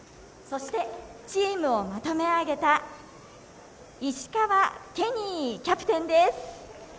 そして、チームをまとめあげた石川ケニーキャプテンです。